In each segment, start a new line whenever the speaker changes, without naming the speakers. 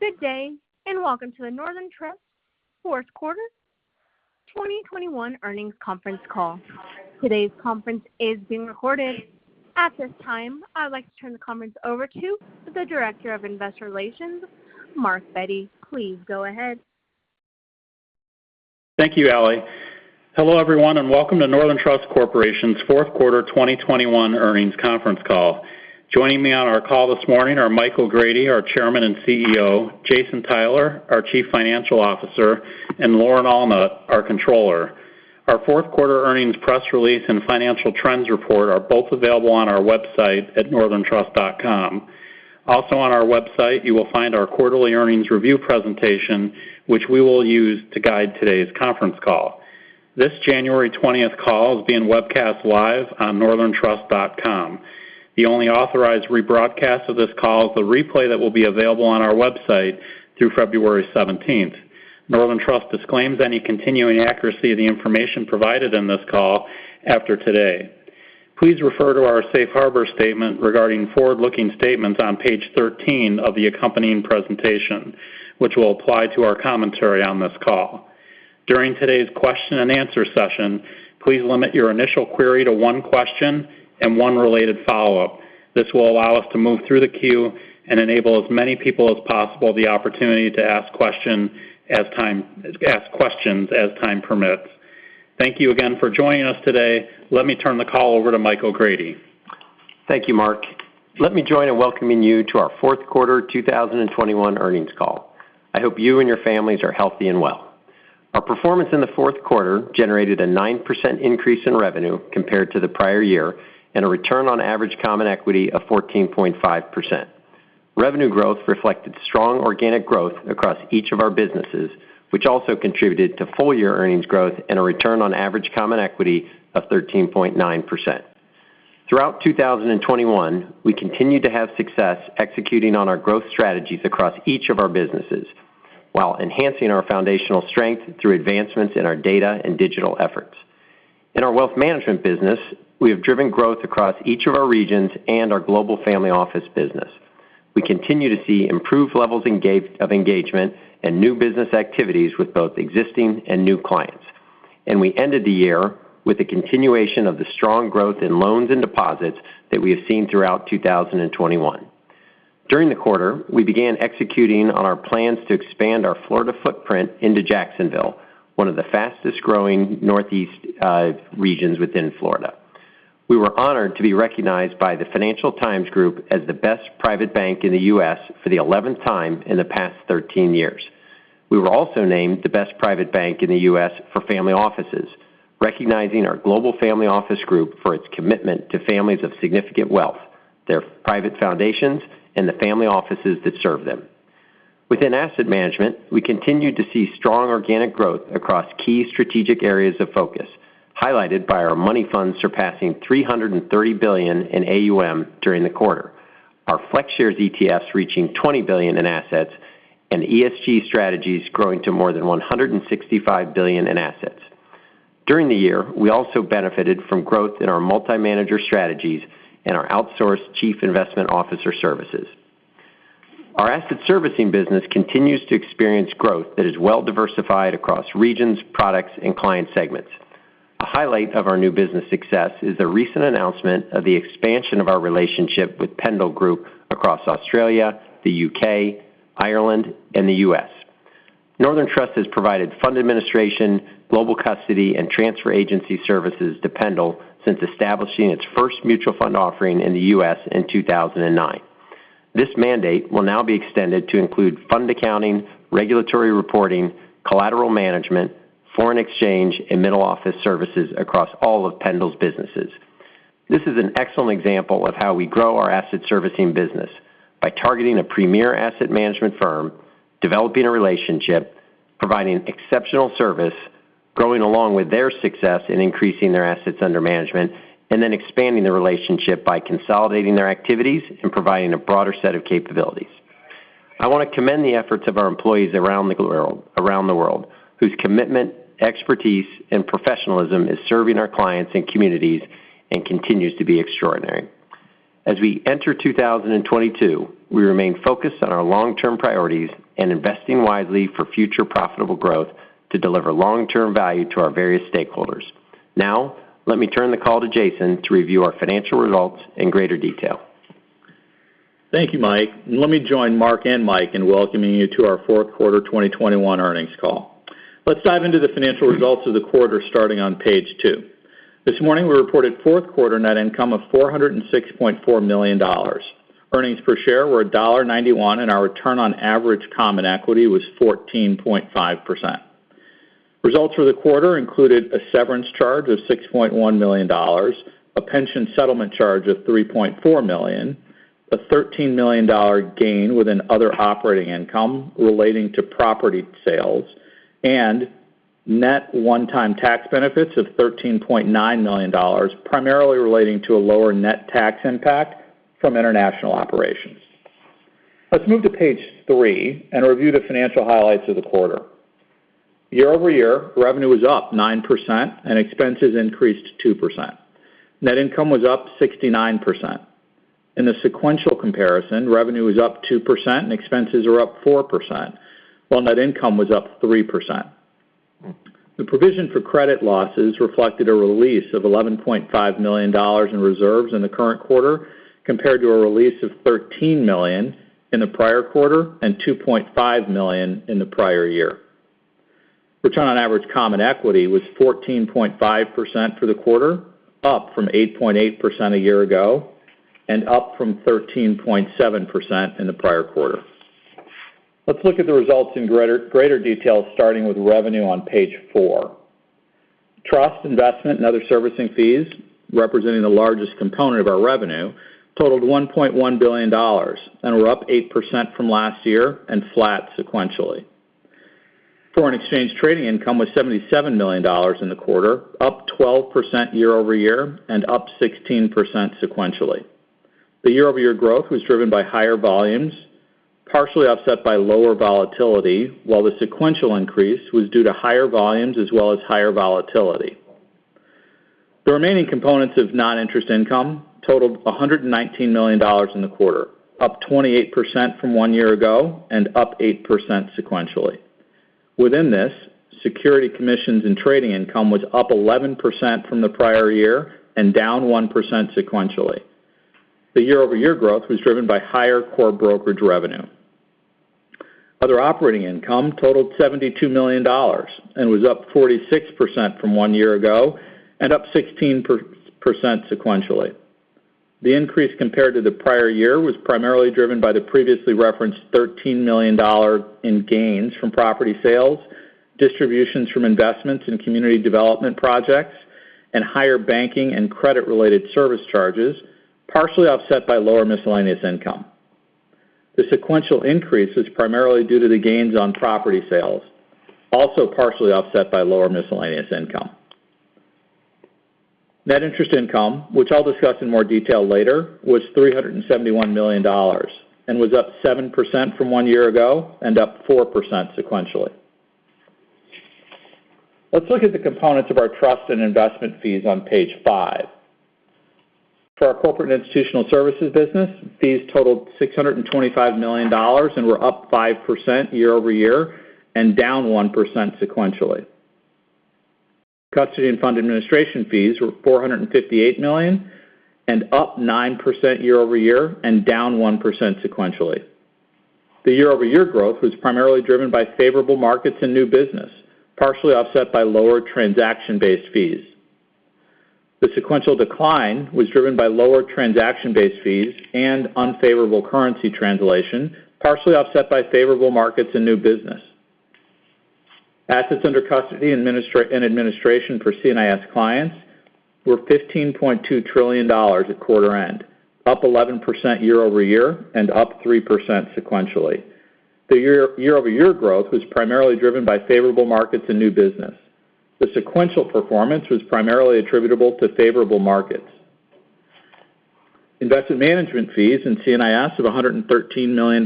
Good day, and welcome to the Northern Trust Q4 2021 earnings conference call. Today's conference is being recorded. At this time, I'd like to turn the conference over to the Director of Investor Relations, Mark Bette. Please go ahead.
Thank you, Allie. Hello, everyone, and welcome to Northern Trust Corporation's Q4 2021 earnings conference call. Joining me on our call this morning are Mike O'Grady, our Chairman and CEO, Jason Tyler, our Chief Financial Officer, and Lauren Allnutt, our Controller. Our Q4 earnings press release and financial trends report are both available on our website at northerntrust.com. Also on our website, you will find our quarterly earnings review presentation, which we will use to guide today's conference call. This January 20 call is being webcast live on northerntrust.com. The only authorized rebroadcast of this call is the replay that will be available on our website through February 17. Northern Trust disclaims any continuing accuracy of the information provided in this call after today. Please refer to our safe harbor statement regarding forward-looking statements on page 13 of the accompanying presentation, which will apply to our commentary on this call. During today's question and answer session, please limit your initial query to one question and one related follow-up. This will allow us to move through the queue and enable as many people as possible the opportunity to ask questions as time permits. Thank you again for joining us today. Let me turn the call over to Mike O'Grady.
Thank you, Mark. Let me join in welcoming you to our Q4 2021 earnings call. I hope you and your families are healthy and well. Our performance in the Q4 generated a 9% increase in revenue compared to the prior year and a return on average common equity of 14.5%. Revenue growth reflected strong organic growth across each of our businesses, which also contributed to full-year earnings growth and a return on average common equity of 13.9%. Throughout 2021, we continued to have success executing on our growth strategies across each of our businesses while enhancing our foundational strength through advancements in our data and digital efforts. In our wealth management business, we have driven growth across each of our regions and our global family office business. We continue to see improved levels of engagement and new business activities with both existing and new clients. We ended the year with a continuation of the strong growth in loans and deposits that we have seen throughout 2021. During the quarter, we began executing on our plans to expand our Florida footprint into Jacksonville, one of the fastest-growing northeast regions within Florida. We were honored to be recognized by the Financial Times Group as the best private bank in the U.S. for the 11th time in the past 13 years. We were also named the best private bank in the U.S. for family offices, recognizing our global family office group for its commitment to families of significant wealth, their private foundations, and the family offices that serve them. Within asset management, we continued to see strong organic growth across key strategic areas of focus, highlighted by our money funds surpassing $330 billion in AUM during the quarter. Our FlexShares ETFs reaching $20 billion in assets and ESG strategies growing to more than $165 billion in assets. During the year, we also benefited from growth in our multi-manager strategies and our outsourced chief investment officer services. Our asset servicing business continues to experience growth that is well diversified across regions, products, and client segments. A highlight of our new business success is the recent announcement of the expansion of our relationship with Pendal Group across Australia, the U.K., Ireland, and the U.S. Northern Trust has provided fund administration, global custody, and transfer agency services to Pendal since establishing its first mutual fund offering in the U.S. in 2009. This mandate will now be extended to include fund accounting, regulatory reporting, collateral management, foreign exchange, and middle office services across all of Pendal's businesses. This is an excellent example of how we grow our asset servicing business by targeting a premier asset management firm, developing a relationship, providing exceptional service, growing along with their success in increasing their assets under management, and then expanding the relationship by consolidating their activities and providing a broader set of capabilities. I wanna commend the efforts of our employees around the world, whose commitment, expertise, and professionalism is serving our clients and communities and continues to be extraordinary. As we enter 2022, we remain focused on our long-term priorities and investing wisely for future profitable growth to deliver long-term value to our various stakeholders. Now, let me turn the call to Jason to review our financial results in greater detail.
Thank you, Mike. Let me join Mark and Mike in welcoming you to our Q4 2021 earnings call. Let's dive into the financial results of the quarter starting on page two. This morning, we reported Q4 net income of $406.4 million. Earnings per share were $1.91, and our return on average common equity was 14.5%. Results for the quarter included a severance charge of $6.1 million, a pension settlement charge of $3.4 million, a $13 million gain within other operating income relating to property sales, and net one-time tax benefits of $13.9 million, primarily relating to a lower net tax impact from international operations. Let's move to page three and review the financial highlights of the quarter. Year-over-year, revenue was up 9% and expenses increased 2%. Net income was up 69%. In the sequential comparison, revenue was up 2% and expenses were up 4%, while net income was up 3%. The provision for credit losses reflected a release of $11.5 million in the current quarter compared to a release of $13 million in the prior quarter and $2.5 million in the prior year. Return on average common equity was 14.5% for the quarter, up from 8.8% a year ago and up from 13.7% in the prior quarter. Let's look at the results in greater detail, starting with revenue on page four. Trust, investment, and other servicing fees, representing the largest component of our revenue, totaled $1.1 billion and were up 8% from last year and flat sequentially. Foreign exchange trading income was $77 million in the quarter, up 12% year-over-year and up 16% sequentially. The year-over-year growth was driven by higher volumes, partially offset by lower volatility, while the sequential increase was due to higher volumes as well as higher volatility. The remaining components of non-interest income totaled $119 million in the quarter, up 28% from one year ago and up 8% sequentially. Within this, securities commissions and trading income was up 11% from the prior year and down 1% sequentially. The year-over-year growth was driven by higher core brokerage revenue. Other operating income totaled $72 million and was up 46% from one year ago and up 16% sequentially. The increase compared to the prior year was primarily driven by the previously referenced $13 million in gains from property sales, distributions from investments in community development projects, and higher banking and credit-related service charges, partially offset by lower miscellaneous income. The sequential increase was primarily due to the gains on property sales, also partially offset by lower miscellaneous income. Net interest income, which I'll discuss in more detail later, was $371 million and was up 7% from one year ago and up 4% sequentially. Let's look at the components of our trust and investment fees on page 5. For our corporate institutional services business, fees totaled $625 million and were up 5% year-over-year and down 1% sequentially. Custody and fund administration fees were $458 million and up 9% year-over-year and down 1% sequentially. The year-over-year growth was primarily driven by favorable markets and new business, partially offset by lower transaction-based fees. The sequential decline was driven by lower transaction-based fees and unfavorable currency translation, partially offset by favorable markets and new business. Assets under custody administration for CNIS clients were $15.2 trillion at quarter end, up 11% year-over-year and up 3% sequentially. The year-over-year growth was primarily driven by favorable markets and new business. The sequential performance was primarily attributable to favorable markets. Investment management fees in CNIS of $113 million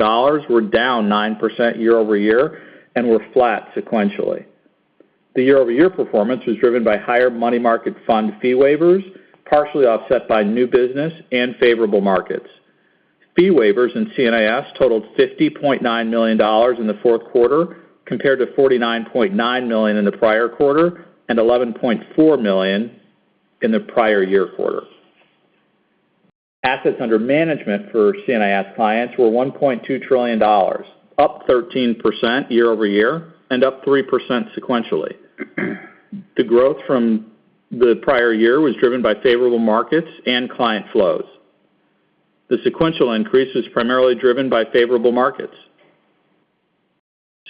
were down 9% year-over-year and were flat sequentially. The year-over-year performance was driven by higher money market fund fee waivers, partially offset by new business and favorable markets. Fee waivers in CNIS totaled $50.9 million in the Q4 compared to $49.9 million in the prior quarter and $11.4 million in the prior year quarter. Assets under management for CNIS clients were $1.2 trillion, up 13% year over year and up 3% sequentially. The growth from the prior year was driven by favorable markets and client flows. The sequential increase was primarily driven by favorable markets.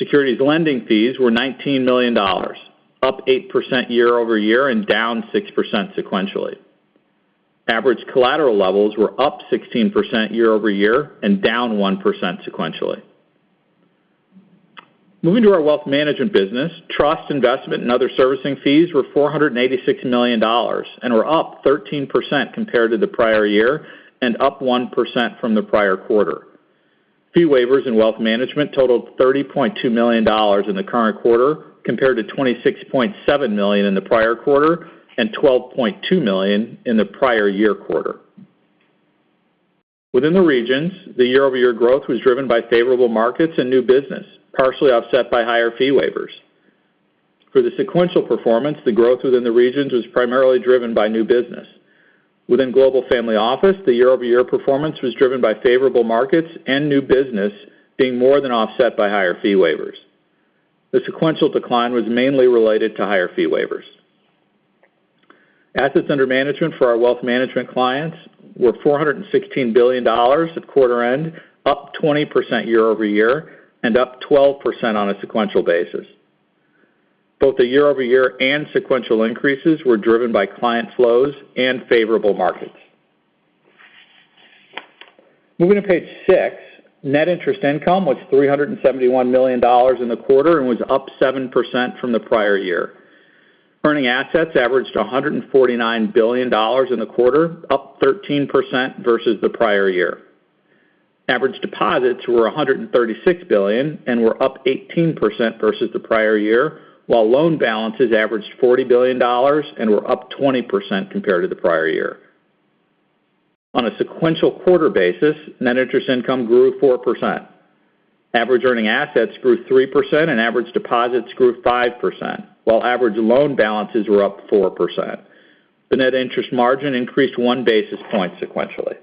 Securities lending fees were $19 million, up 8% year over year and down 6% sequentially. Average collateral levels were up 16% year over year and down 1% sequentially. Moving to our wealth management business, trust, investment, and other servicing fees were $486 million and were up 13% compared to the prior year and up 1% from the prior quarter. Fee waivers in wealth management totaled $30.2 million in the current quarter compared to $26.7 million in the prior quarter and $12.2 million in the prior year quarter. Within the regions, the year-over-year growth was driven by favorable markets and new business, partially offset by higher fee waivers. For the sequential performance, the growth within the regions was primarily driven by new business. Within Global Family Office, the year-over-year performance was driven by favorable markets and new business being more than offset by higher fee waivers. The sequential decline was mainly related to higher fee waivers. Assets under management for our wealth management clients were $416 billion at quarter end, up 20% year-over-year and up 12% on a sequential basis. Both the year-over-year and sequential increases were driven by client flows and favorable markets. Moving to page six. Net interest income was $371 million in the quarter and was up 7% from the prior year. Earning assets averaged $149 billion in the quarter, up 13% versus the prior year. Average deposits were $136 billion and were up 18% versus the prior year, while loan balances averaged $40 billion and were up 20% compared to the prior year. On a sequential quarter basis, net interest income grew 4%. Average earning assets grew 3% and average deposits grew 5%, while average loan balances were up 4%. The net interest margin increased 1 basis point sequentially.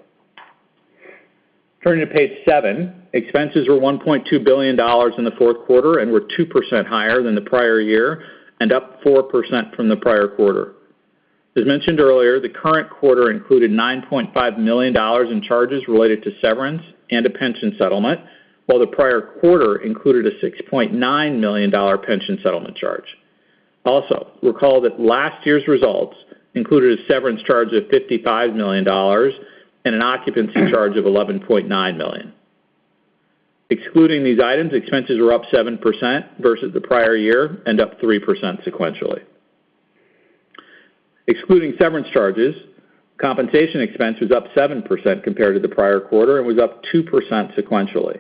Turning to page seven. Expenses were $1.2 billion in the Q4 and were 2% higher than the prior year and up 4% from the prior quarter. As mentioned earlier, the current quarter included $9.5 million in charges related to severance and a pension settlement, while the prior quarter included a $6.9 million pension settlement charge. Also, recall that last year's results included a severance charge of $55 million and an occupancy charge of $11.9 million. Excluding these items, expenses were up 7% versus the prior year and up 3% sequentially. Excluding severance charges, compensation expense was up 7% compared to the prior quarter and was up 2% sequentially.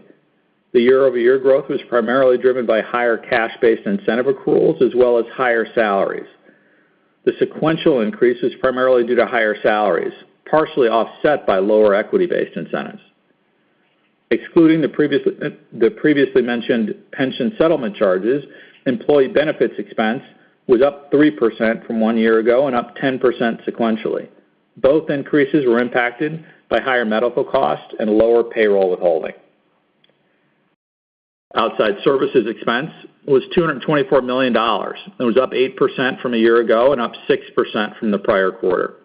The year-over-year growth was primarily driven by higher cash-based incentive accruals as well as higher salaries. The sequential increase was primarily due to higher salaries, partially offset by lower equity-based incentives. Excluding the previously mentioned pension settlement charges, employee benefits expense was up 3% from one year ago and up 10% sequentially. Both increases were impacted by higher medical costs and lower payroll withholding. Outsourced services expense was $224 million and was up 8% from a year ago and up 6% from the prior quarter.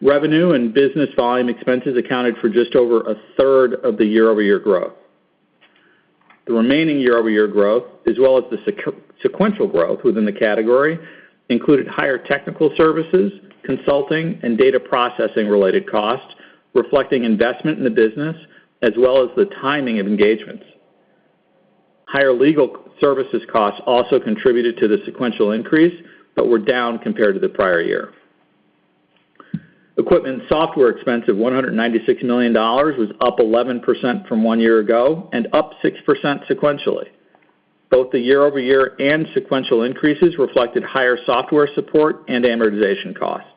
Revenue and business volume expenses accounted for just over a third of the year-over-year growth. The remaining year-over-year growth, as well as the sequential growth within the category, included higher technical services, consulting, and data processing related costs, reflecting investment in the business as well as the timing of engagements. Higher legal services costs also contributed to the sequential increase, but were down compared to the prior year. Equipment software expense of $196 million was up 11% from one year ago and up 6% sequentially. Both the year-over-year and sequential increases reflected higher software support and amortization costs.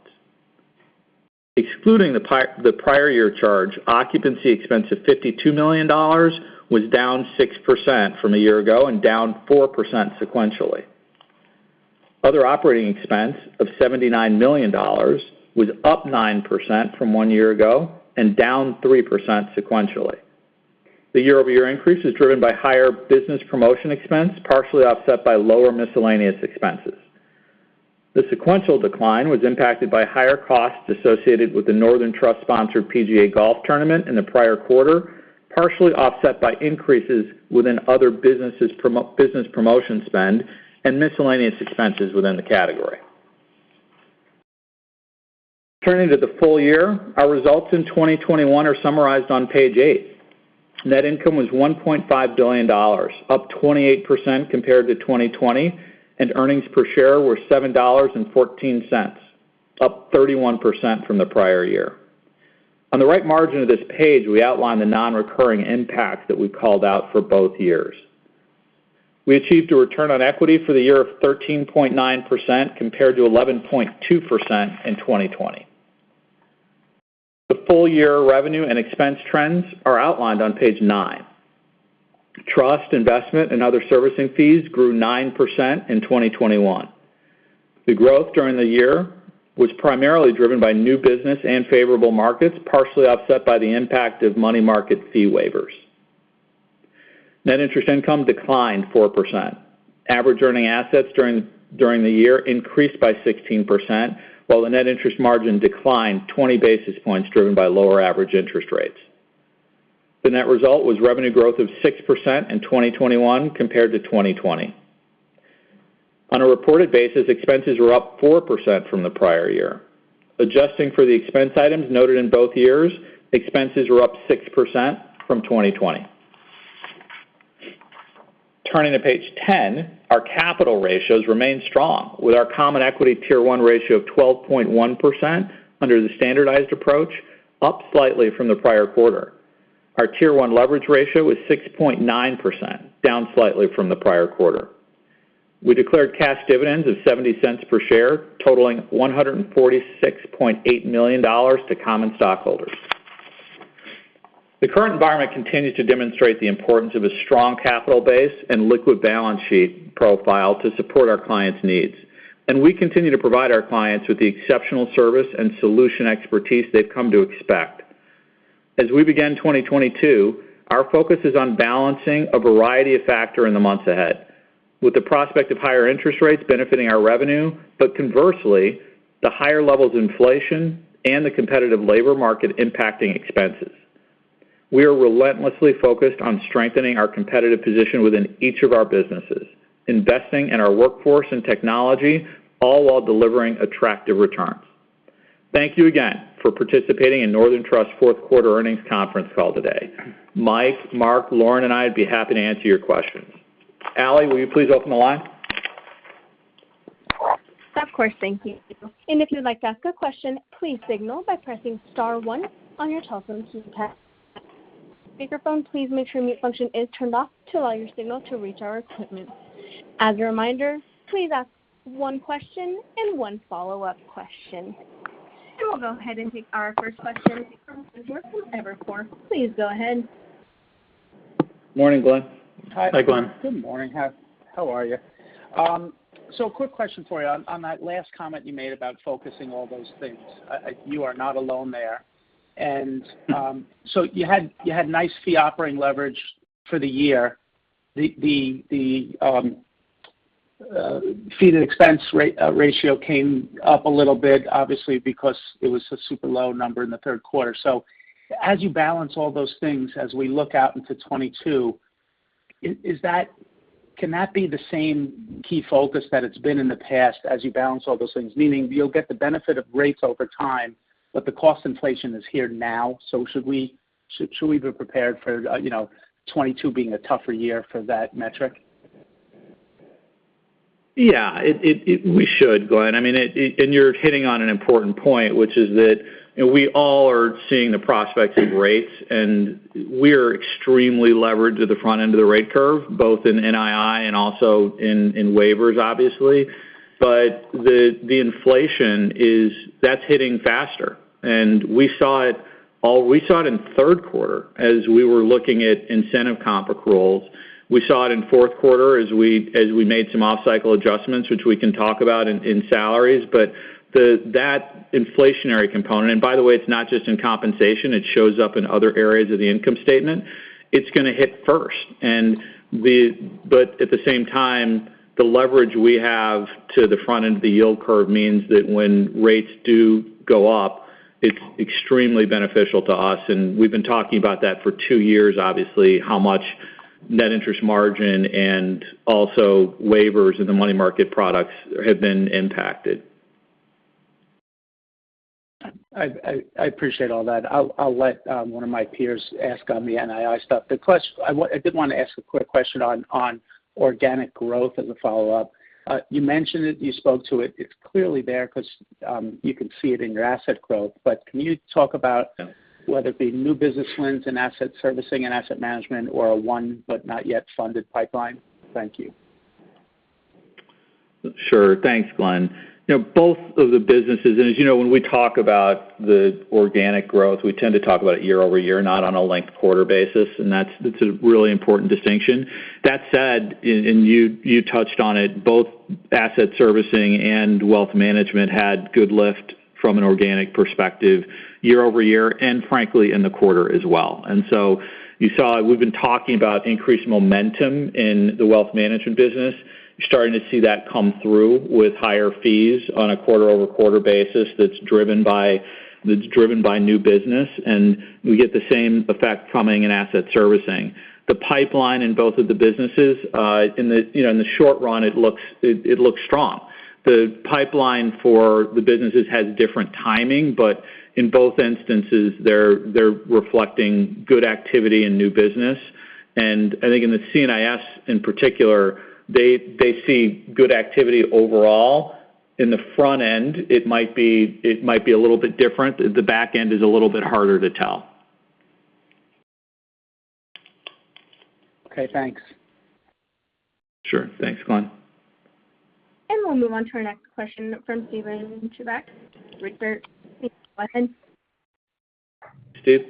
Excluding the prior year charge, occupancy expense of $52 million was down 6% from a year ago and down 4% sequentially. Other operating expense of $79 million was up 9% from one year ago and down 3% sequentially. The year-over-year increase is driven by higher business promotion expense, partially offset by lower miscellaneous expenses. The sequential decline was impacted by higher costs associated with the Northern Trust sponsored PGA golf tournament in the prior quarter, partially offset by increases within other business promotion spend and miscellaneous expenses within the category. Turning to the full year. Our results in 2021 are summarized on page eight. Net income was $1.5 billion, up 28% compared to 2020, and earnings per share were $7.14, up 31% from the prior year. On the right margin of this page, we outline the non-recurring impacts that we called out for both years. We achieved a return on equity for the year of 13.9% compared to 11.2% in 2020. The full year revenue and expense trends are outlined on page nine. Trust, investment, and other servicing fees grew 9% in 2021. The growth during the year was primarily driven by new business and favorable markets, partially offset by the impact of money market fee waivers. Net interest income declined 4%. Average earning assets during the year increased by 16%, while the net interest margin declined 20 basis points driven by lower average interest rates. The net result was revenue growth of 6% in 2021 compared to 2020. On a reported basis, expenses were up 4% from the prior year. Adjusting for the expense items noted in both years, expenses were up 6% from 2020. Turning to page 10. Our capital ratios remain strong with our common equity Tier 1 ratio of 12.1% under the standardized approach, up slightly from the prior quarter. Our Tier 1 leverage ratio is 6.9%, down slightly from the prior quarter. We declared cash dividends of $0.70 per share, totaling $146.8 million to common stockholders. The current environment continues to demonstrate the importance of a strong capital base and liquid balance sheet profile to support our clients' needs, and we continue to provide our clients with the exceptional service and solution expertise they've come to expect. As we begin 2022, our focus is on balancing a variety of factors in the months ahead. With the prospect of higher interest rates benefiting our revenue, but conversely, the higher levels of inflation and the competitive labor market impacting expenses. We are relentlessly focused on strengthening our competitive position within each of our businesses, investing in our workforce and technology, all while delivering attractive returns. Thank you again for participating in Northern Trust Q4 earnings conference call today. Mike, Mark, Lauren, and I'd be happy to answer your questions. Allie, will you please open the line?
Of course. Thank you. If you'd like to ask a question, please signal by pressing star 1 on your telephone keypad. Microphone, please make sure mute function is turned off to allow your signal to reach our equipment. As a reminder, please ask one question and one follow-up question. We'll go ahead and take our first question from the line from Evercore. Please go ahead.
Morning, Glenn.
Hi, Glenn.
Good morning. How are you? Quick question for you. On that last comment you made about focusing all those things. You are not alone there. You had nice fee operating leverage for the year. The fee-to-expense ratio came up a little bit, obviously because it was a super low number in the Q3. As you balance all those things as we look out into 2022, can that be the same key focus that it's been in the past as you balance all those things? Meaning you'll get the benefit of rates over time, but the cost inflation is here now. Should we be prepared for, you know, 2022 being a tougher year for that metric?
Yeah. We should, Glenn. I mean, you're hitting on an important point which is that we all are seeing the prospects of rates and we're extremely leveraged at the front end of the rate curve, both in NII and also in waivers obviously. But the inflation is hitting faster. We saw it in Q3 as we were looking at incentive comp rules. We saw it in Q4 as we made some off-cycle adjustments which we can talk about in salaries. That inflationary component, and by the way it's not just in compensation, it shows up in other areas of the income statement. It's gonna hit first, but at the same time, the leverage we have to the front end of the yield curve means that when rates do go up, it's extremely beneficial to us. We've been talking about that for two years obviously, how much net interest margin and also waivers in the money market products have been impacted.
I appreciate all that. I'll let one of my peers ask on the NII stuff. I did want to ask a quick question on organic growth as a follow-up. You mentioned it, you spoke to it. It's clearly there because you can see it in your asset growth. Can you talk about whether it be new business wins in asset servicing and asset management or a won but not yet funded pipeline? Thank you.
Sure. Thanks, Glenn. You know, both of the businesses, and as you know, when we talk about the organic growth, we tend to talk about year-over-year, not on a last quarter basis. That's a really important distinction. That said, you touched on it, both asset servicing and wealth management had good lift from an organic perspective year-over-year, and frankly in the quarter as well. You saw, we've been talking about increased momentum in the wealth management business. You're starting to see that come through with higher fees on a quarter-over-quarter basis that's driven by new business, and we get the same effect coming in asset servicing. The pipeline in both of the businesses, you know, in the short run it looks strong. The pipeline for the businesses has different timing but in both instances they're reflecting good activity in new business. I think in the CNIS in particular, they see good activity overall. In the front end it might be a little bit different. The back end is a little bit harder to tell.
Okay, thanks.
Sure. Thanks, Glenn.
We'll move on to our next question from Steven Chubak with Baird. Please go ahead.
Steve.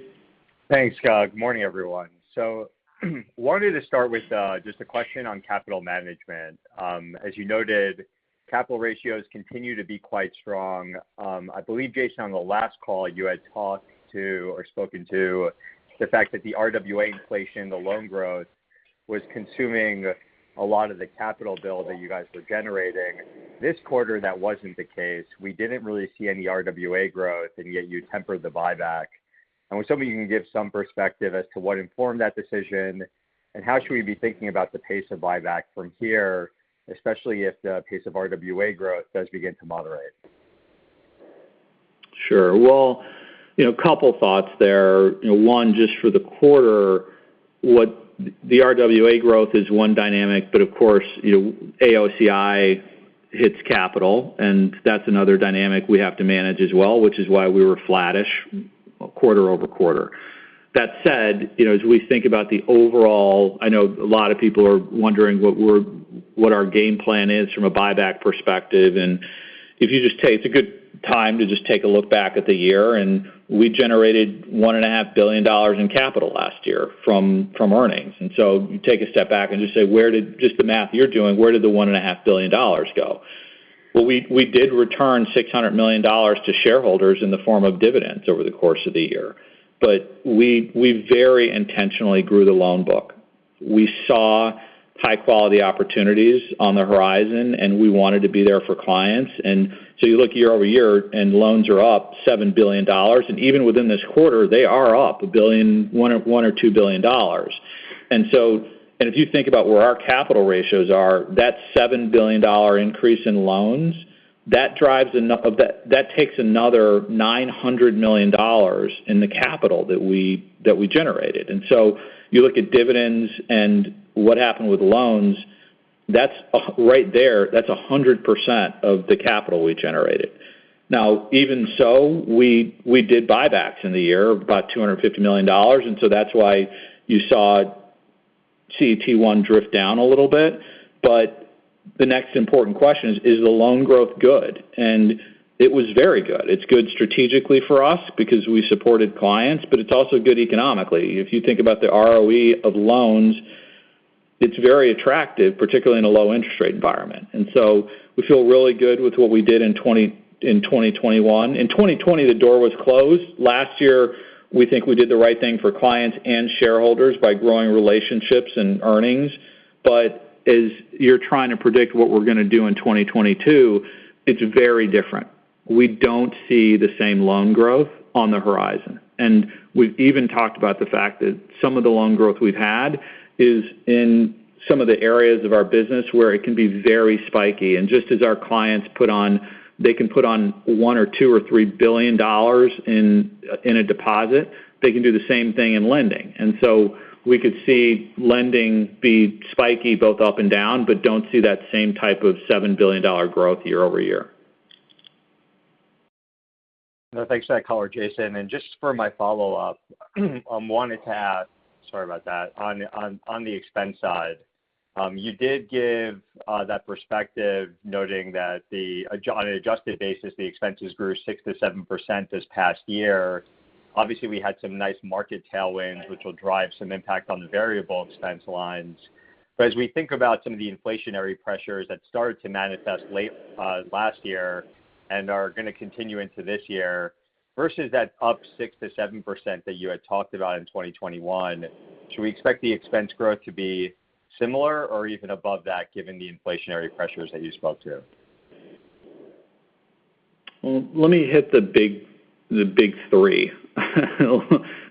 Thanks. Good morning everyone. Wanted to start with just a question on capital management. As you noted, capital ratios continue to be quite strong. I believe, Jason, on the last call you had talked to or spoken to the fact that the RWA inflation, the loan growth was consuming a lot of the capital build that you guys were generating. This quarter that wasn't the case. We didn't really see any RWA growth and yet you tempered the buyback. I was hoping you can give some perspective as to what informed that decision and how should we be thinking about the pace of buyback from here, especially if the pace of RWA growth does begin to moderate.
Sure. Well, you know, a couple thoughts there. You know, one just for the quarter, what the RWA growth is one dynamic but of course, you know, AOCI hits capital and that's another dynamic we have to manage as well, which is why we were flattish quarter-over-quarter. That said, you know, as we think about the overall, I know a lot of people are wondering what our game plan is from a buyback perspective. It's a good time to just take a look back at the year and we generated $1.5 billion in capital last year from earnings. You take a step back and just say, where did, just the math you're doing, where did the $1.5 billion go? Well, we did return $600 million to shareholders in the form of dividends over the course of the year. We very intentionally grew the loan book. We saw high quality opportunities on the horizon and we wanted to be there for clients. You look year-over-year and loans are up $7 billion. Even within this quarter they are up $1 billion, one or two billion dollars. If you think about where our capital ratios are, that $7 billion increase in loans, that takes another $900 million in the capital that we generated. You look at dividends and what happened with loans. That's right there, that's 100% of the capital we generated. Now, even so, we did buybacks in the year of about $250 million, that's why you saw CET1 drift down a little bit. The next important question is the loan growth good? It was very good. It's good strategically for us because we supported clients, but it's also good economically. If you think about the ROE of loans, it's very attractive, particularly in a low interest rate environment. We feel really good with what we did in 2021. In 2020, the door was closed. Last year, we think we did the right thing for clients and shareholders by growing relationships and earnings. As you're trying to predict what we're gonna do in 2022, it's very different. We don't see the same loan growth on the horizon. We've even talked about the fact that some of the loan growth we've had is in some of the areas of our business where it can be very spiky. Just as our clients put on, they can put on $1 or $2 or $3 billion in a deposit, they can do the same thing in lending. We could see lending be spiky both up and down, but don't see that same type of $7 billion growth year over year.
Thanks for that color, Jason. Just for my follow-up, wanted to add, sorry about that, on the expense side, you did give that perspective noting that on an adjusted basis, the expenses grew 6%-7% this past year. Obviously, we had some nice market tailwinds which will drive some impact on the variable expense lines. As we think about some of the inflationary pressures that started to manifest late last year and are gonna continue into this year versus that up 6%-7% that you had talked about in 2021, should we expect the expense growth to be similar or even above that given the inflationary pressures that you spoke to?
Well, let me hit the big three.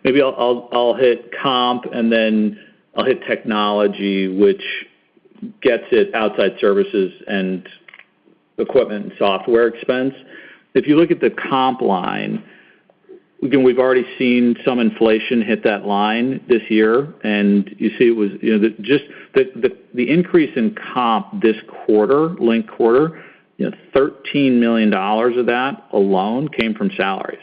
Maybe I'll hit comp and then I'll hit technology, which gets into outside services and equipment and software expense. If you look at the comp line, again, we've already seen some inflation hit that line this year. You see it was, you know, just the increase in comp this quarter, linked quarter, you know, $13 million of that alone came from salaries.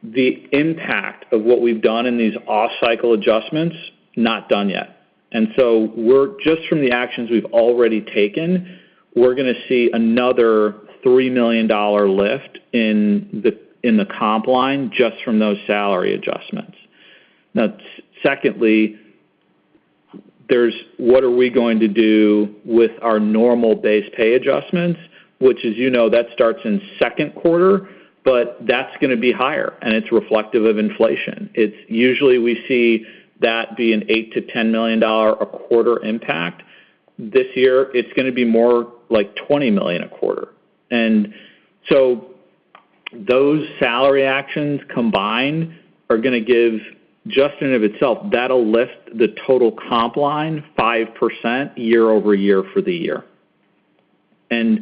The impact of what we've done in these off-cycle adjustments, not done yet. Just from the actions we've already taken, we're gonna see another $3 million lift in the comp line just from those salary adjustments. Now secondly, there's what are we going to do with our normal base pay adjustments? Which as you know, that starts in Q2, but that's gonna be higher and it's reflective of inflation. It's usually we see that be a $8 million-$10 million a quarter impact. This year, it's gonna be more like $20 million a quarter. Those salary actions combined are gonna give just in and of itself, that'll lift the total comp line 5% year-over-year for the year. You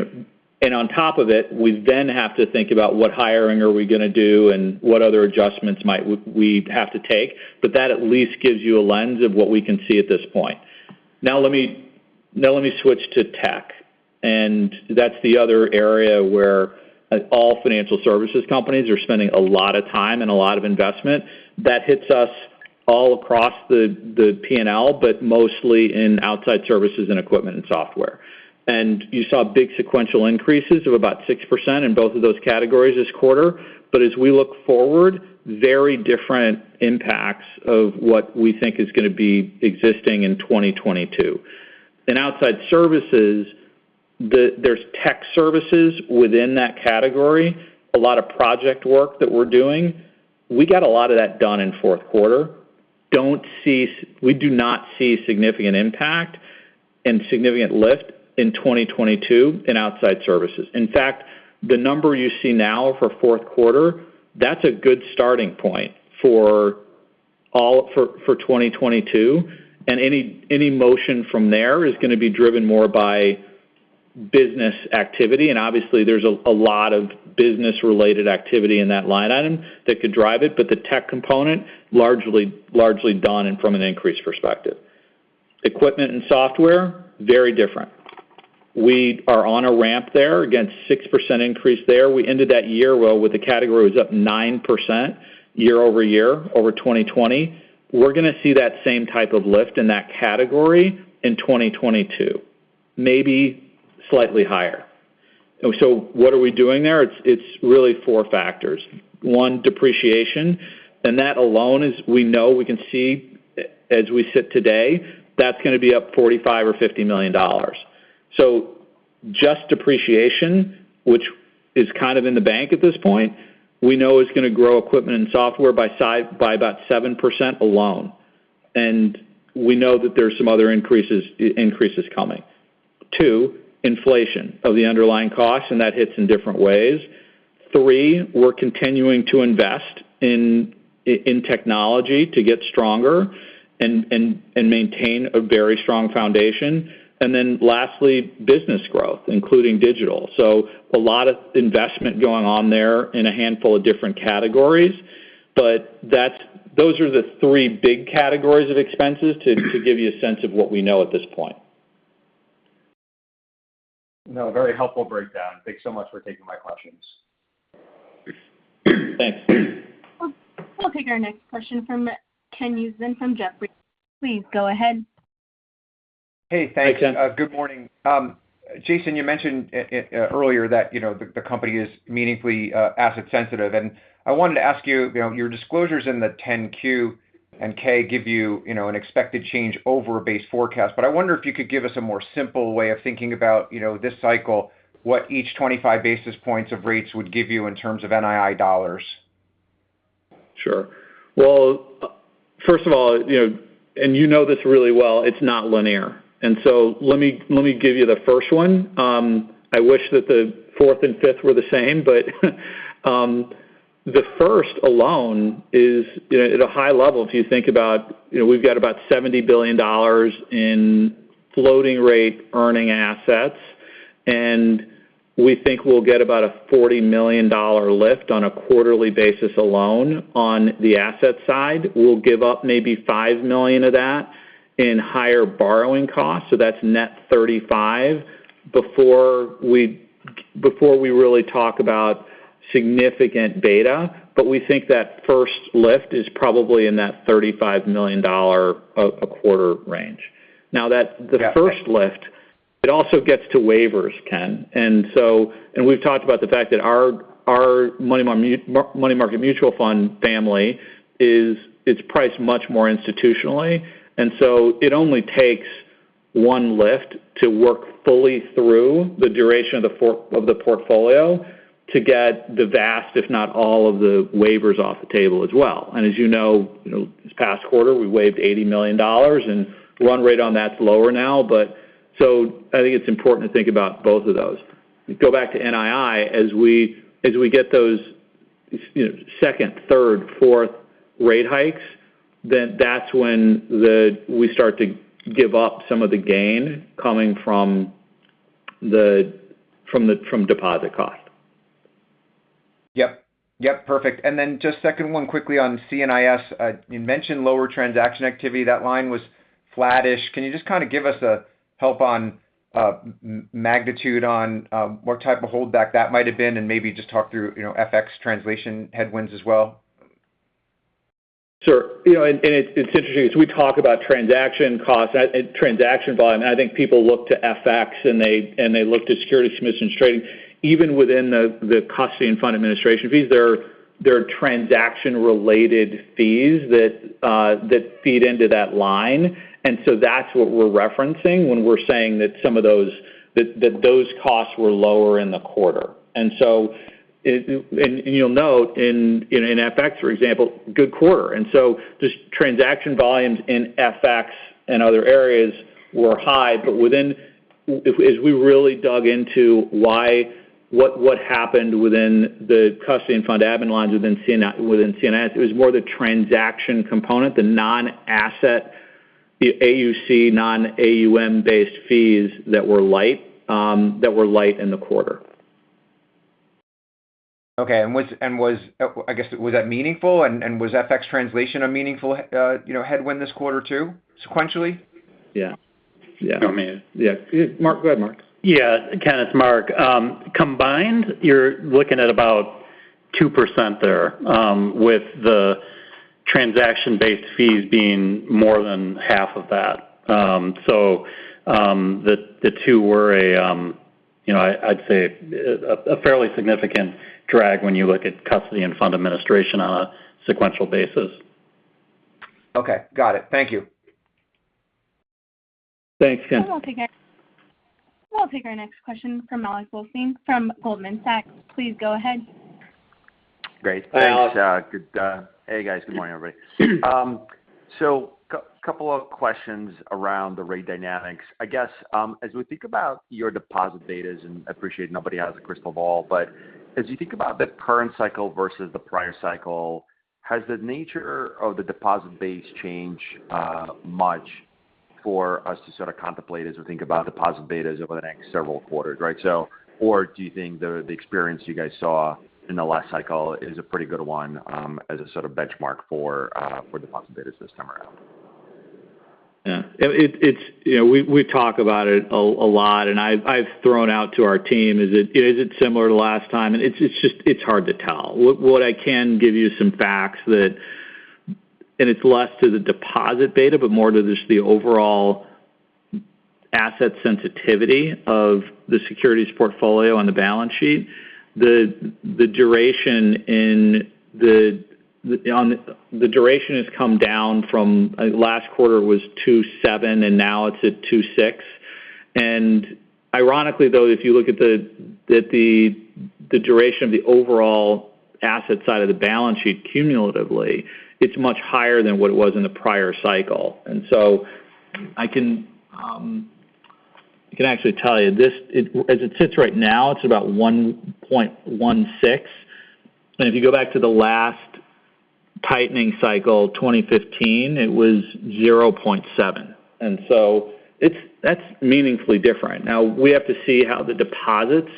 know, and on top of it, we then have to think about what hiring are we gonna do and what other adjustments might we have to take. That at least gives you a lens of what we can see at this point. Now let me switch to tech. That's the other area where all financial services companies are spending a lot of time and a lot of investment. That hits us all across the P&L, but mostly in outside services and equipment and software. You saw big sequential increases of about 6% in both of those categories this quarter. As we look forward, very different impacts of what we think is gonna be existing in 2022. In outside services, there's tech services within that category, a lot of project work that we're doing. We got a lot of that done in Q4. We do not see significant impact and significant lift in 2022 in outside services. In fact, the number you see now for Q4, that's a good starting point for 2022. Any motion from there is gonna be driven more by business activity. Obviously there's a lot of business-related activity in that line item that could drive it. The tech component, largely done and from an increase perspective. Equipment and software, very different. We are on a ramp there against 6% increase there. We ended that year well with the category was up 9% year over year over 2020. We're gonna see that same type of lift in that category in 2022, maybe slightly higher. So what are we doing there? It's really four factors. One, depreciation. That alone is we know we can see as we sit today, that's gonna be up $45 million or $50 million. So just depreciation, which is kind of in the bank at this point, we know is gonna grow equipment and software by about 7% alone. We know that there's some other increases coming. Two, inflation of the underlying costs, and that hits in different ways. Three, we're continuing to invest in technology to get stronger and maintain a very strong foundation. Lastly, business growth, including digital. A lot of investment going on there in a handful of different categories. Those are the three big categories of expenses to give you a sense of what we know at this point.
No, very helpful breakdown. Thanks so much for taking my questions.
Thanks.
We'll take our next question from Ken Usdin from Jefferies. Please go ahead.
Hey, thanks.
Hey, Ken.
Good morning. Jason, you mentioned earlier that, you know, the company is meaningfully asset sensitive. I wanted to ask you know, your disclosures in the 10-Q and 10-K give you know, an expected change over base forecast. I wonder if you could give us a more simple way of thinking about, you know, this cycle, what each 25 basis points of rates would give you in terms of NII dollars.
Sure. Well, first of all, you know, and you know this really well, it's not linear. Let me give you the first one. I wish that the fourth and fifth were the same. The first alone is at a high level, if you think about, you know, we've got about $70 billion in floating rate earning assets, and we think we'll get about a $40 million lift on a quarterly basis alone on the asset side. We'll give up maybe $5 million of that in higher borrowing costs, so that's net $35 million before we really talk about significant beta. We think that first lift is probably in that $35 million a quarter range. Now that
Yeah.
The first lift, it also gets to waivers, Ken. We've talked about the fact that our money market mutual fund family is priced much more institutionally. It only takes one lift to work fully through the duration of the portfolio to get the vast, if not all, of the waivers off the table as well. As you know, this past quarter, we waived $80 million, and run rate on that's lower now, but I think it's important to think about both of those. Go back to NII as we get those, you know, second, third, fourth rate hikes, then that's when we start to give up some of the gain coming from the deposit cost.
Yep. Yep, perfect. Just the second one quickly on CNIS. You mentioned lower transaction activity. That line was flattish. Can you just kind of give us some help on the magnitude of what type of holdback that might have been, and maybe just talk through, you know, FX translation headwinds as well?
Sure. You know, it's interesting, as we talk about transaction costs and transaction volume, I think people look to FX, and they look to securities commissions trading. Even within the custody and fund administration fees, there are transaction-related fees that feed into that line. That's what we're referencing when we're saying that those costs were lower in the quarter. You'll note in FX, for example, good quarter. Just transaction volumes in FX and other areas were high. But within as we really dug into what happened within the custody and fund admin lines within CNIS, it was more the transaction component, the non-asset, the AUC, non-AUM based fees that were light in the quarter.
Okay. I guess, was that meaningful, and was FX translation a meaningful, you know, headwind this quarter too, sequentially?
Yeah. Yeah.
Oh, man.
Yeah. Mark, go ahead, Mark.
Yeah. Ken, Mark. Combined, you're looking at about 2% there, with the transaction-based fees being more than half of that. The two were a, you know, I'd say a fairly significant drag when you look at custody and fund administration on a sequential basis.
Okay, got it. Thank you.
Thanks, Ken.
I'll take our next question from Alex Blostein from Goldman Sachs. Please go ahead.
Great.
Hi, Alex.
Thanks. Hey, guys. Good morning, everybody. Couple of questions around the rate dynamics. I guess, as we think about your deposit betas, and I appreciate nobody has a crystal ball. As you think about the current cycle versus the prior cycle, has the nature of the deposit base changed much for us to sort of contemplate as we think about deposit betas over the next several quarters, right? Or do you think the experience you guys saw in the last cycle is a pretty good one, as a sort of benchmark for deposit betas this time around?
Yeah. It's, you know, we talk about it a lot, and I've thrown out to our team, is it similar to last time? It's just hard to tell. What I can give you some facts that it's less to the deposit beta, but more to just the overall asset sensitivity of the securities portfolio on the balance sheet. The duration has come down from last quarter was 2.7, and now it's at 2.6. Ironically, though, if you look at the duration of the overall asset side of the balance sheet cumulatively, it's much higher than what it was in the prior cycle. I can actually tell you this, as it sits right now, it's about 1.16. If you go back to the last tightening cycle, 2015, it was 0.7. That's meaningfully different. We have to see how the deposits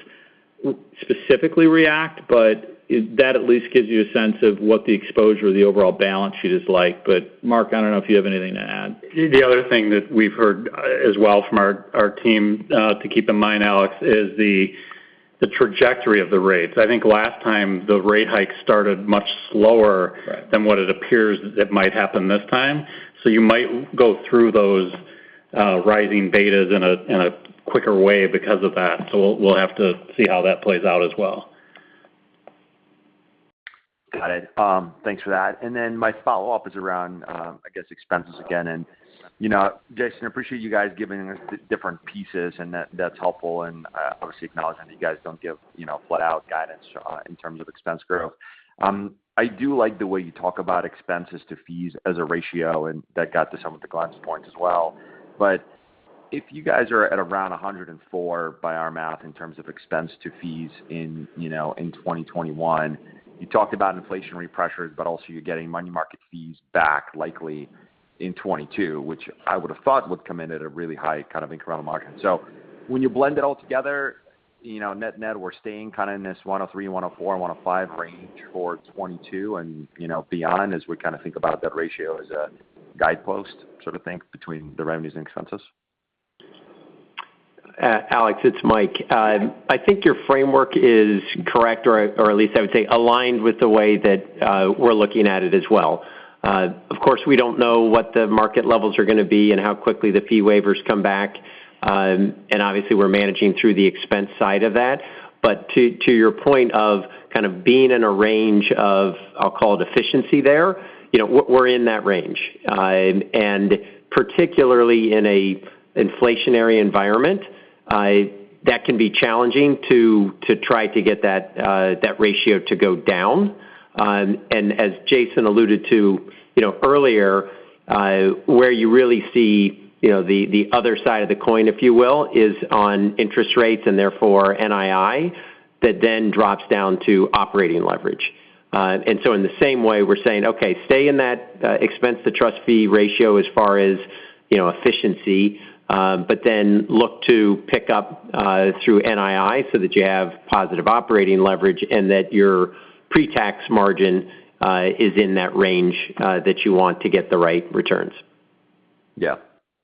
Specifically, right, but that at least gives you a sense of what the exposure of the overall balance sheet is like. Mark, I don't know if you have anything to add.
The other thing that we've heard as well from our team to keep in mind, Alex, is the trajectory of the rates. I think last time the rate hike started much slower.
Right...
than what it appears it might happen this time. You might go through those, rising betas in a quicker way because of that. We'll have to see how that plays out as well.
Got it. Thanks for that. My follow-up is around, I guess, expenses again. You know, Jason, I appreciate you guys giving us the different pieces, and that's helpful and, obviously acknowledging that you guys don't give, you know, flat out guidance, in terms of expense growth. I do like the way you talk about expenses to fees as a ratio, and that got to some of the clients' points as well. If you guys are at around 104 by our math in terms of expense to fees in, you know, in 2021, you talked about inflationary pressures, but also you're getting money market fees back likely in 2022, which I would have thought would come in at a really high kind of incremental margin. When you blend it all together, you know, net-net, we're staying kind of in this 103%-105% range for 2022 and, you know, beyond, as we kind of think about that ratio as a guidepost sort of thing between the revenues and expenses.
Alex, it's Mike. I think your framework is correct, or at least I would say aligned with the way that we're looking at it as well. Of course, we don't know what the market levels are gonna be and how quickly the fee waivers come back. Obviously we're managing through the expense side of that. To your point of kind of being in a range of, I'll call it efficiency there, you know, we're in that range. Particularly in an inflationary environment, that can be challenging to try to get that ratio to go down. As Jason alluded to, you know, earlier, where you really see, you know, the other side of the coin, if you will, is on interest rates and therefore NII, that then drops down to operating leverage. In the same way, we're saying, okay, stay in that expense to trust fee ratio as far as, you know, efficiency, but then look to pick up through NII so that you have positive operating leverage and that your pre-tax margin is in that range that you want to get the right returns.
Yeah,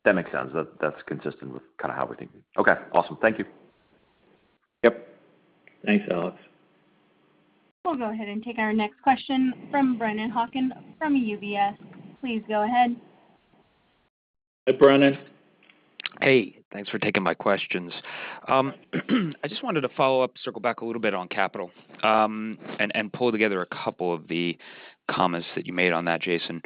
that makes sense. That's consistent with kind of how we're thinking. Okay, awesome. Thank you.
Yep.
Thanks, Alex.
We'll go ahead and take our next question from Brennan Hawken from UBS. Please go ahead.
Hey, Brennan.
Hey, thanks for taking my questions. I just wanted to follow up, circle back a little bit on capital, and pull together a couple of the comments that you made on that, Jason.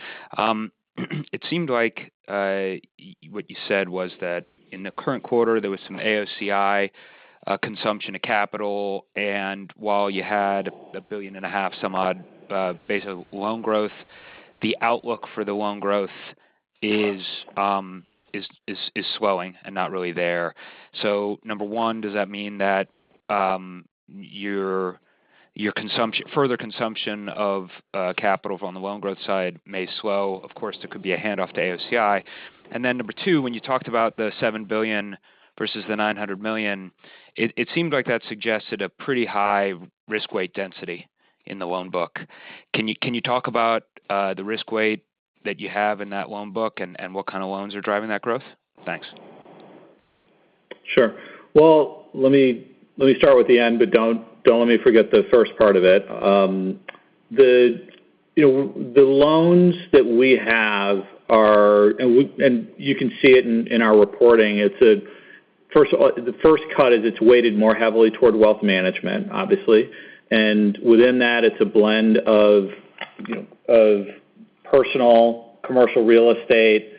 It seemed like what you said was that in the current quarter, there was some AOCI consumption of capital, and while you had $1.5 billion or so base of loan growth, the outlook for the loan growth is slowing and not really there. Number one, does that mean that your further consumption of capital on the loan growth side may slow? Of course, there could be a handoff to AOCI. Number two, when you talked about the $7 billion versus the $900 million, it seemed like that suggested a pretty high risk weight density in the loan book. Can you talk about the risk weight that you have in that loan book and what kind of loans are driving that growth? Thanks.
Sure. Well, let me start with the end, but don't let me forget the first part of it. The loans that we have are. You can see it in our reporting. The first cut is it's weighted more heavily toward wealth management, obviously. Within that, it's a blend of personal, commercial real estate,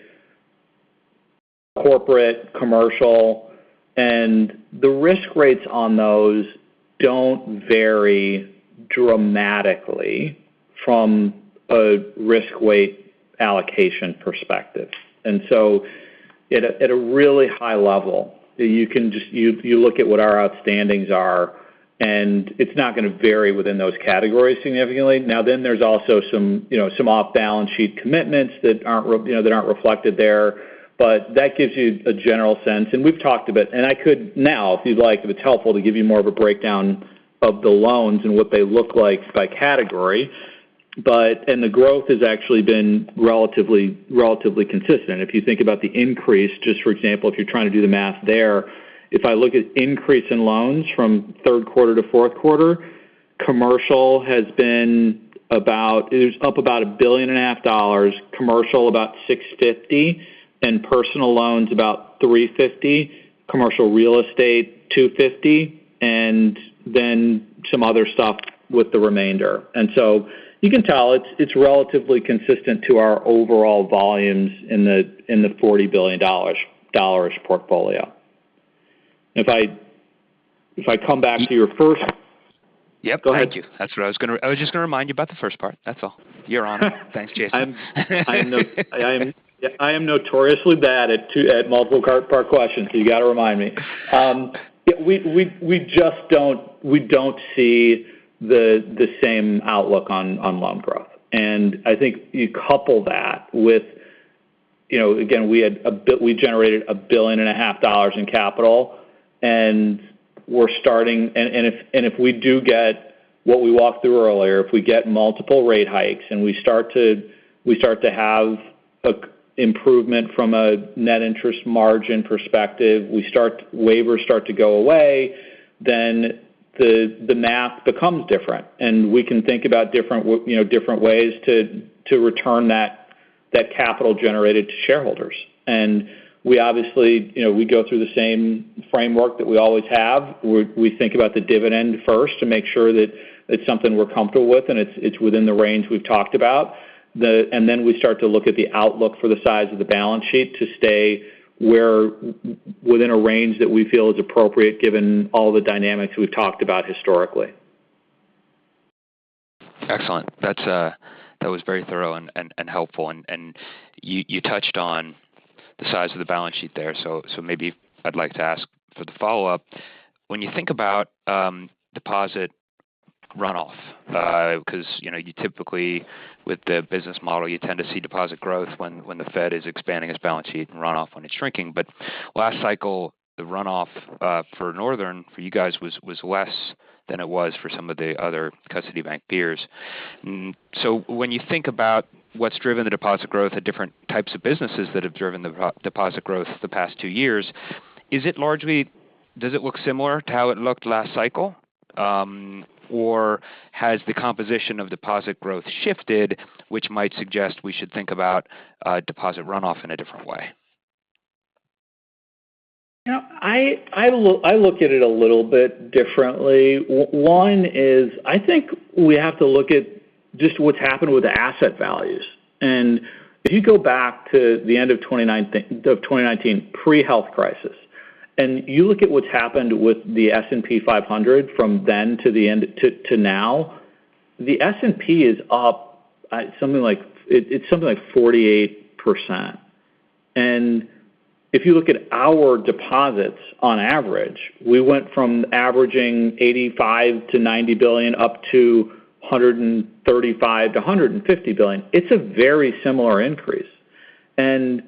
corporate, commercial. The risk rates on those don't vary dramatically from a risk weight allocation perspective. At a really high level, you look at what our outstandings are, and it's not gonna vary within those categories significantly. Now, there are also some off-balance sheet commitments that aren't reflected there. That gives you a general sense. We've talked a bit, and I could now, if you'd like, if it's helpful, to give you more of a breakdown of the loans and what they look like by category. The growth has actually been relatively consistent. If you think about the increase, just for example, if you're trying to do the math there, if I look at increase in loans from Q3 to Q4, commercial has been about it was up about $1.5 billion, commercial about $650 million, and personal loans about $350 million, commercial real estate $250 million, and then some other stuff with the remainder. You can tell it's relatively consistent to our overall volumes in the $40 billion portfolio. If I come back to your first-
Yep.
Go ahead.
Thank you. That's what I was just gonna remind you about the first part. That's all. You're on. Thanks, Jason.
I am notoriously bad at multi-part questions. You gotta remind me. We just don't see the same outlook on loan growth. I think you couple that with, you know, again, we generated $1.5 billion in capital, and if we do get what we walked through earlier, if we get multiple rate hikes and we start to have an improvement from a net interest margin perspective, waivers start to go away, then the math becomes different, and we can think about different ways to return that capital generated to shareholders. We obviously, you know, we go through the same framework that we always have. We think about the dividend first to make sure that it's something we're comfortable with and it's within the range we've talked about. We start to look at the outlook for the size of the balance sheet to stay within a range that we feel is appropriate given all the dynamics we've talked about historically.
Excellent. That was very thorough and helpful. You touched on the size of the balance sheet there. Maybe I'd like to ask for the follow-up. When you think about deposit runoff, 'cause, you know, you typically, with the business model, you tend to see deposit growth when the Fed is expanding its balance sheet and runoff when it's shrinking. Last cycle, the runoff for Northern, for you guys was less than it was for some of the other custody bank peers. When you think about what's driven the deposit growth or different types of businesses that have driven the deposit growth the past two years, does it look similar to how it looked last cycle? Has the composition of deposit growth shifted, which might suggest we should think about deposit runoff in a different way?
You know, I look at it a little bit differently. One is I think we have to look at just what's happened with the asset values. If you go back to the end of 2019 pre-health crisis, and you look at what's happened with the S&P 500 from then to now, the S&P is up something like 48%. If you look at our deposits on average, we went from averaging $85 billion-$90 billion, up to $135 billion-$150 billion. It's a very similar increase. Then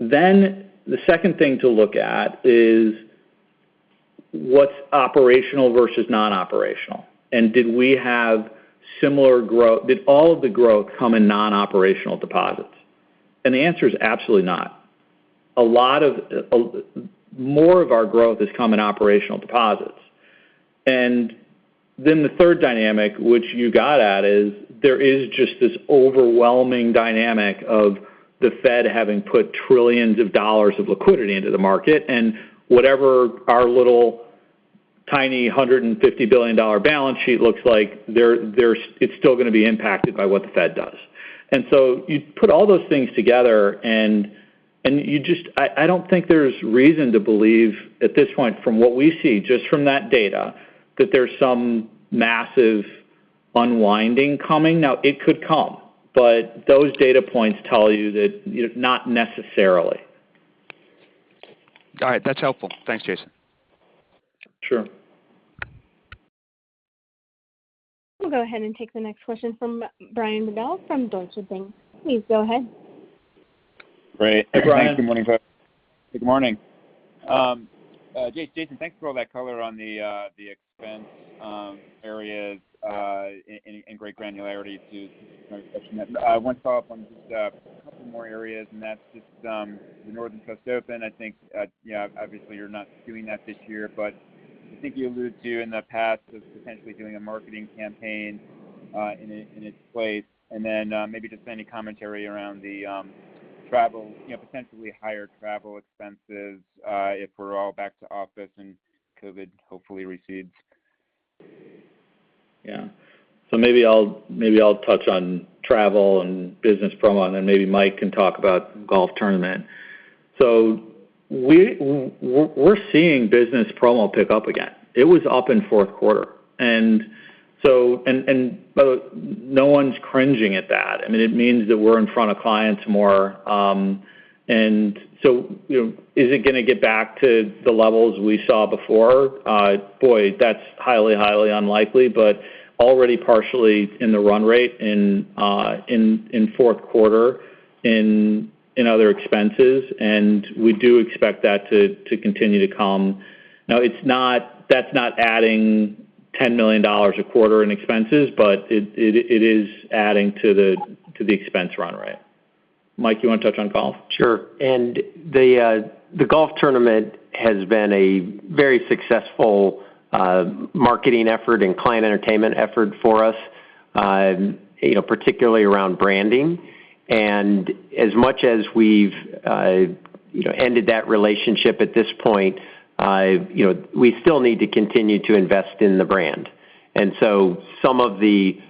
the second thing to look at is what's operational versus non-operational. Did all of the growth come in non-operational deposits? The answer is absolutely not. A lot more of our growth has come in operational deposits. Then the third dynamic, which you got at, is there is just this overwhelming dynamic of the Fed having put trillions of dollars of liquidity into the market, and whatever our little tiny $150 billion balance sheet looks like, it's still gonna be impacted by what the Fed does. You put all those things together, and you just, I don't think there's reason to believe at this point, from what we see just from that data, that there's some massive unwinding coming. Now, it could come, but those data points tell you that, you know, not necessarily.
All right. That's helpful. Thanks, Jason.
Sure.
We'll go ahead and take the next question from Brian Bedell from Deutsche Bank. Please go ahead.
Great.
Hey, Brian.
Thanks. Good morning, guys. Good morning. Jason, thanks for all that color on the expense areas and great granularity to my question. I want to follow up on just a couple more areas, and that's just the Northern Trust Open. I think you know, obviously you're not doing that this year, but I think you alluded to in the past of potentially doing a marketing campaign in its place. Then, maybe just any commentary around the travel, you know, potentially higher travel expenses if we're all back to office and COVID hopefully recedes.
Yeah. Maybe I'll touch on travel and business promo, and then maybe Mike can talk about golf tournament. We're seeing business promo pick up again. It was up in Q4. But no one's cringing at that. I mean, it means that we're in front of clients more. You know, is it gonna get back to the levels we saw before? Boy, that's highly unlikely. Already partially in the run rate in Q4 in other expenses, and we do expect that to continue to come. That's not adding $10 million a quarter in expenses, but it is adding to the expense run rate. Mike, you wanna touch on golf?
Sure. The golf tournament has been a very successful marketing effort and client entertainment effort for us, you know, particularly around branding. As much as we've you know, ended that relationship at this point, I've you know, we still need to continue to invest in the brand. Some of the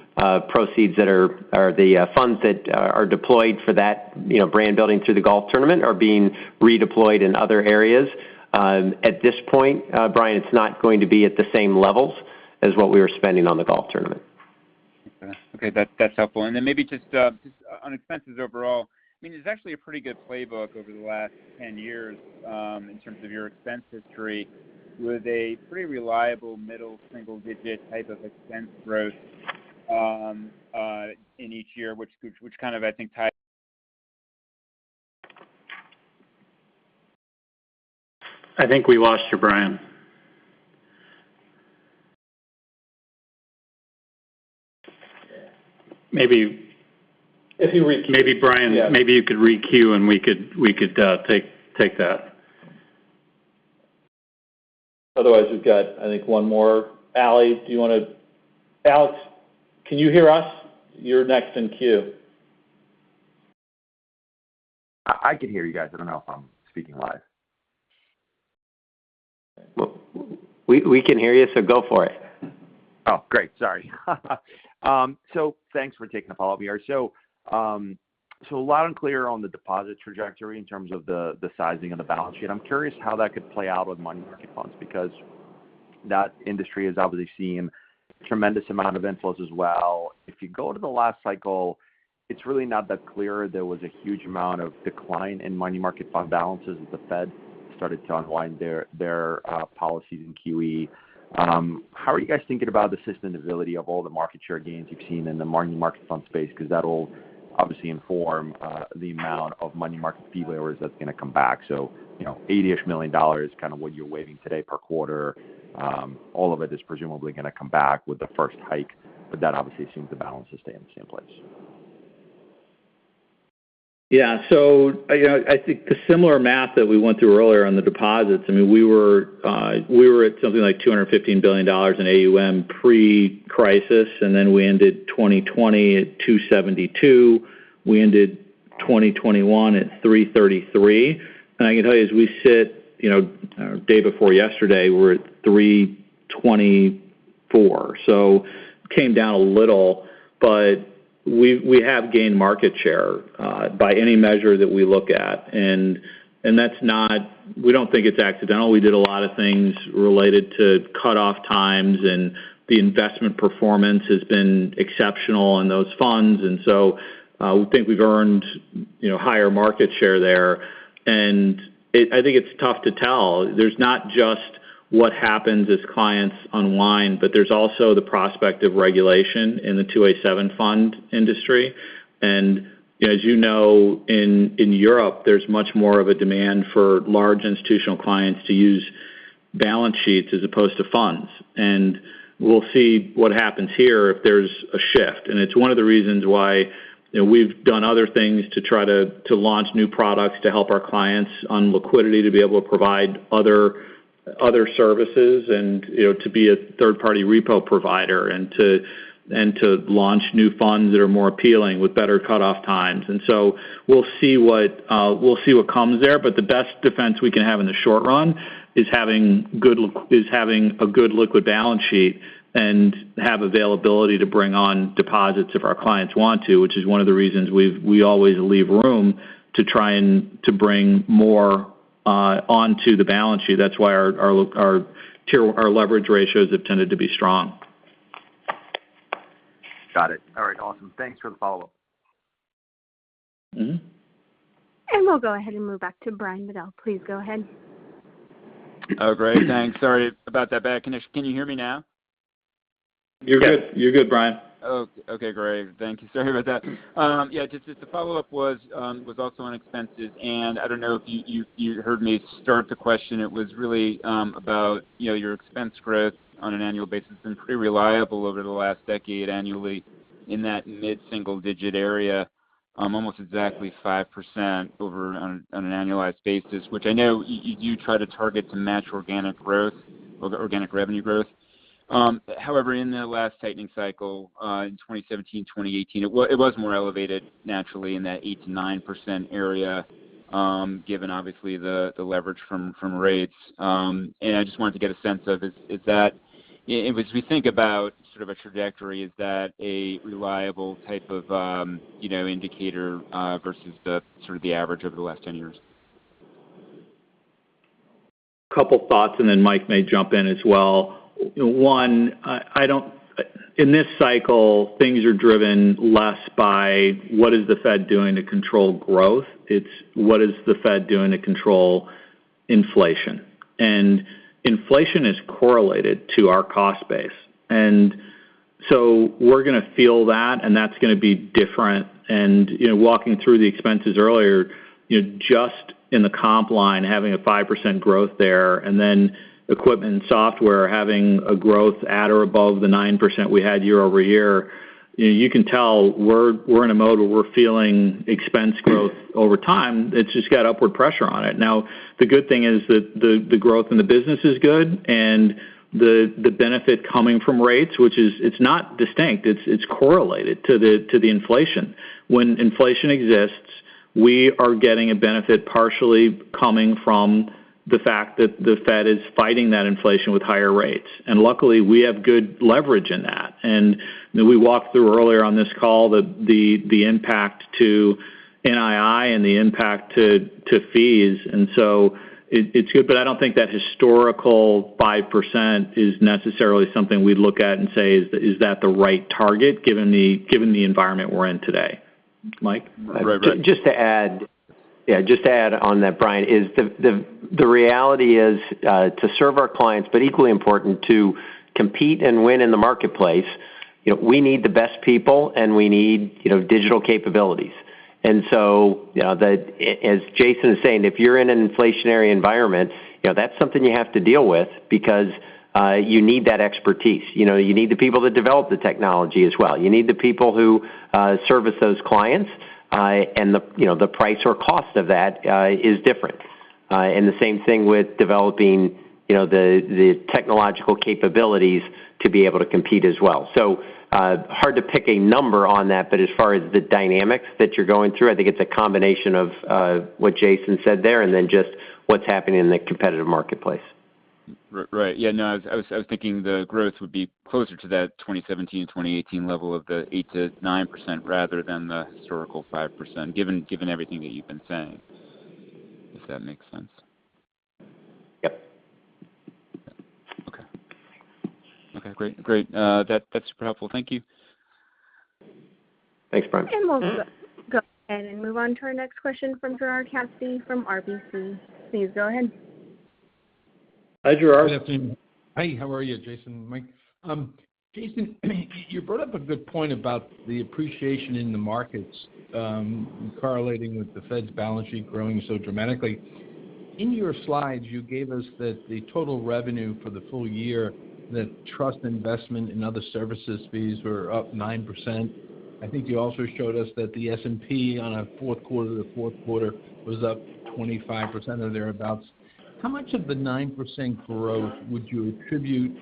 proceeds that are the funds that are deployed for that, you know, brand building through the golf tournament are being redeployed in other areas. At this point, Brian, it's not going to be at the same levels as what we were spending on the golf tournament.
Okay. That's helpful. Then maybe just on expenses overall. I mean, there's actually a pretty good playbook over the last 10 years in terms of your expense history with a pretty reliable middle single-digit type of expense growth in each year which kind of I think ties-
I think we lost you, Brian.
Yeah.
Maybe-
If you re-queue.
Maybe Brian.
Yeah.
Maybe you could re-queue, and we could take that. Otherwise, we've got, I think, one more. Allie, do you wanna. Alex, can you hear us? You're next in queue.
I can hear you guys. I don't know if I'm speaking live.
We can hear you, so go for it.
Oh, great. Sorry. Thanks for taking the follow-up, VR. Loud and clear on the deposit trajectory in terms of the sizing of the balance sheet. I'm curious how that could play out with money market funds because that industry has obviously seen tremendous amount of inflows as well. If you go to the last cycle, it's really not that clear. There was a huge amount of decline in money market fund balances as the Fed started to unwind their policies in QE. How are you guys thinking about the sustainability of all the market share gains you've seen in the money market fund space? 'Cause that'll obviously inform the amount of money market fee waivers that's gonna come back. You know, $80-ish million, kind of what you're waiving today per quarter. All of it is presumably gonna come back with the first hike, but that obviously assumes the balances stay in the same place.
Yeah. You know, I think the similar math that we went through earlier on the deposits, I mean, we were at something like $215 billion in AUM pre-crisis, and then we ended 2020 at $272 billion. We ended 2021 at $333 billion. I can tell you as we sit, you know, day before yesterday, we're at $324 billion. Came down a little, but we have gained market share by any measure that we look at. That's not. We don't think it's accidental. We did a lot of things related to cutoff times, and the investment performance has been exceptional in those funds. We think we've earned, you know, higher market share there. I think it's tough to tell. There's not just what happens as clients unwind, but there's also the prospect of regulation in the 2a-7 fund industry. As you know, in Europe, there's much more of a demand for large institutional clients to use balance sheets as opposed to funds. We'll see what happens here if there's a shift. It's one of the reasons why, you know, we've done other things to try to launch new products to help our clients on liquidity to be able to provide other services and, you know, to be a third-party repo provider and to launch new funds that are more appealing with better cutoff times. We'll see what comes there. The best defense we can have in the short run is having a good liquid balance sheet and have availability to bring on deposits if our clients want to, which is one of the reasons we always leave room to try and to bring more onto the balance sheet. That's why our leverage ratios have tended to be strong.
Got it. All right, awesome. Thanks for the follow-up.
Mm-hmm.
We'll go ahead and move back to Brian Bedell. Please go ahead.
Oh, great. Thanks. Sorry about that bad connection. Can you hear me now?
You're good. You're good, Brian.
Oh, okay, great. Thank you. Sorry about that. Yeah, just the follow-up was also on expenses. I don't know if you heard me start the question. It was really about, you know, your expense growth on an annual basis. It's been pretty reliable over the last decade annually in that mid-single digit area, almost exactly 5% over on an annualized basis, which I know you try to target to match organic growth or the organic revenue growth. However, in the last tightening cycle, in 2017, 2018, it was more elevated naturally in that 8%-9% area, given obviously the leverage from rates. I just wanted to get a sense of is that... If we think about sort of a trajectory, is that a reliable type of, you know, indicator versus the sort of average over the last 10 years?
Couple thoughts, and then Mike may jump in as well. One. In this cycle, things are driven less by what is the Fed doing to control growth. It's what is the Fed doing to control inflation. Inflation is correlated to our cost base. We're gonna feel that, and that's gonna be different. You know, walking through the expenses earlier, you know, just in the comp line, having a 5% growth there, and then equipment and software having a growth at or above the 9% we had year-over-year, you know, you can tell we're in a mode where we're feeling expense growth over time. It's just got upward pressure on it. Now, the good thing is that the growth in the business is good and the benefit coming from rates, which is, it's not distinct, it's correlated to the inflation. When inflation exists, we are getting a benefit partially coming from the fact that the Fed is fighting that inflation with higher rates. Luckily, we have good leverage in that. You know, we walked through earlier on this call the impact to NII and the impact to fees. It's good, but I don't think that historical 5% is necessarily something we'd look at and say, "Is that the right target given the environment we're in today?" Mike? Right.
Just to add.
Yeah, just to add on that, Brian, is the reality is to serve our clients, but equally important to compete and win in the marketplace, you know, we need the best people, and we need, you know, digital capabilities. You know, as Jason is saying, if you're in an inflationary environment, you know, that's something you have to deal with because you need that expertise. You know, you need the people to develop the technology as well. You need the people who service those clients, and the, you know, the price or cost of that is different. And the same thing with developing, you know, the technological capabilities to be able to compete as well. Hard to pick a number on that, but as far as the dynamics that you're going through, I think it's a combination of what Jason said there and then just what's happening in the competitive marketplace.
Right. Yeah, no, I was thinking the growth would be closer to that 2017, 2018 level of the 8%-9% rather than the historical 5%, given everything that you've been saying. Does that make sense?
Yep.
Okay, great. That's super helpful. Thank you.
Thanks, Brian.
We'll go ahead and move on to our next question from Gerard Cassidy from RBC. Please go ahead.
Hi, Gerard.
Good afternoon. Hi, how are you, Jason and Mike? Jason, you brought up a good point about the appreciation in the markets, correlating with the Fed's balance sheet growing so dramatically. In your slides, you gave us that the total revenue for the full year, the trust investment and other services fees were up 9%. I think you also showed us that the S&P on a Q4 to Q4 was up 25% or thereabouts. How much of the 9% growth would you attribute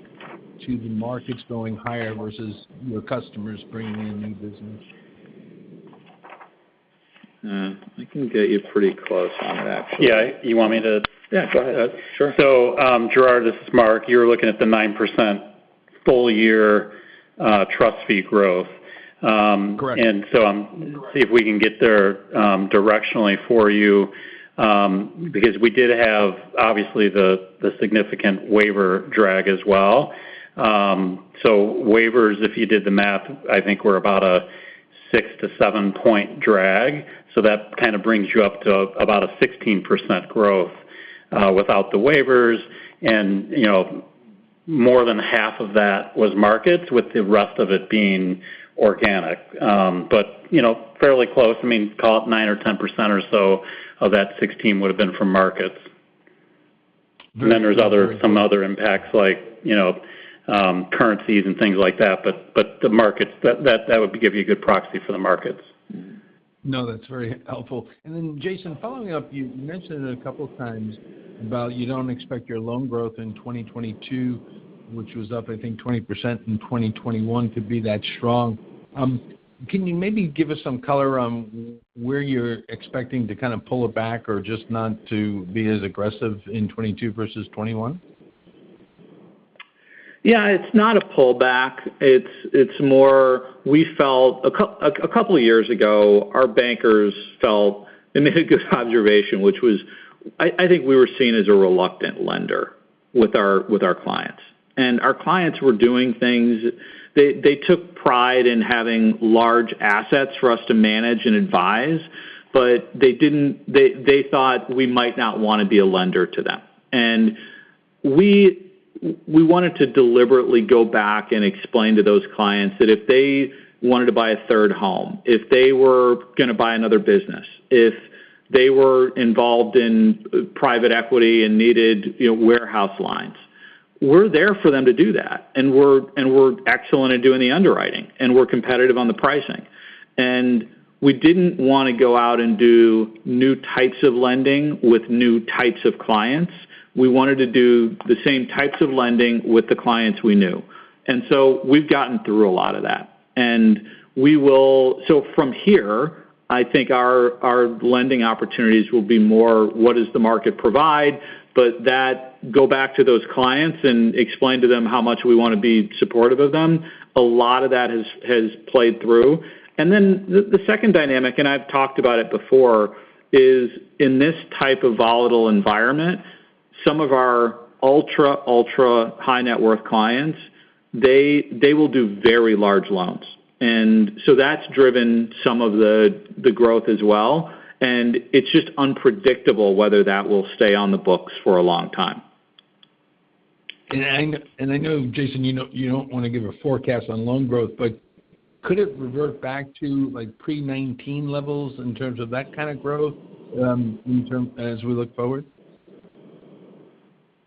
to the markets going higher versus your customers bringing in new business?
I can get you pretty close on that.
Yeah.
Yeah, go ahead. Sure.
Gerard, this is Mark. You're looking at the 9% full-year trust fee growth.
Correct.
See if we can get there directionally for you because we did have obviously the significant waiver drag as well. Waivers, if you did the math, I think we're about a 6-7 point drag. That kind of brings you up to about a 16% growth without the waivers. You know, more than half of that was markets with the rest of it being organic. You know, fairly close. I mean, call it 9% or 10% or so of that 16 would have been from markets. Then there's other, some other impacts like, you know, currencies and things like that. The markets, that would give you a good proxy for the markets.
No, that's very helpful. Then Jason, following up, you mentioned a couple of times about you don't expect your loan growth in 2022, which was up, I think, 20% in 2021 to be that strong. Can you maybe give us some color on where you're expecting to kind of pull it back or just not to be as aggressive in 2022 versus 2021?
Yeah, it's not a pullback. It's more we felt a couple of years ago, our bankers felt they made a good observation, which was, I think we were seen as a reluctant lender with our clients. Our clients were doing things. They took pride in having large assets for us to manage and advise, but they didn't, they thought we might not wanna be a lender to them. We wanted to deliberately go back and explain to those clients that if they wanted to buy a third home, if they were gonna buy another business, if they were involved in private equity and needed, you know, warehouse lines, we're there for them to do that, and we're excellent at doing the underwriting, and we're competitive on the pricing. We didn't wanna go out and do new types of lending with new types of clients. We wanted to do the same types of lending with the clients we knew. We've gotten through a lot of that. We will. From here, I think our lending opportunities will be more what does the market provide? To go back to those clients and explain to them how much we wanna be supportive of them. A lot of that has played through. The second dynamic, and I've talked about it before, is in this type of volatile environment, some of our ultra high net worth clients, they will do very large loans. That's driven some of the growth as well. It's just unpredictable whether that will stay on the books for a long time.
I know, Jason, you know, you don't wanna give a forecast on loan growth, but could it revert back to, like, pre-2019 levels in terms of that kind of growth, as we look forward?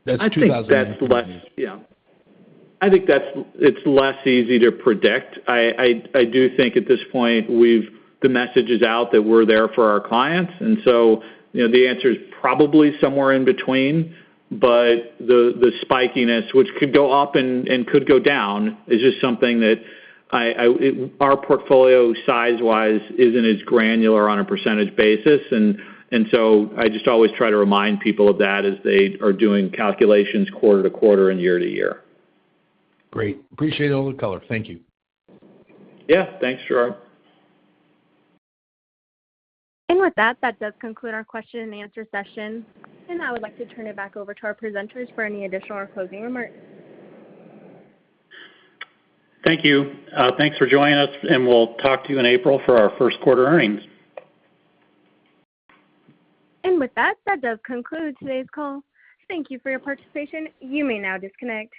That's 2019.
I think that's less. Yeah. I think that's less easy to predict. I do think at this point, the message is out that we're there for our clients. You know, the answer is probably somewhere in between. The spikiness, which could go up and could go down, is just something that our portfolio size-wise isn't as granular on a percentage basis. I just always try to remind people of that as they are doing calculations quarter-over-quarter and year-over-year.
Great. Appreciate all the color. Thank you.
Yeah. Thanks, Gerard.
With that does conclude our question and answer session, and I would like to turn it back over to our presenters for any additional or closing remarks.
Thank you. Thanks for joining us, and we'll talk to you in April for our first quarter earnings.
With that does conclude today's call. Thank you for your participation. You may now disconnect.